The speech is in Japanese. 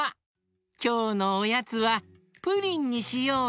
きょうのおやつはプリンにしようかなあ！